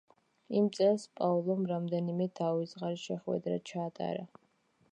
იმ წელს პაოლომ რამდენიმე დაუვიწყარი შეხვედრა ჩაატარა.